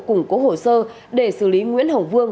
củng cố hồ sơ để xử lý nguyễn hồng vương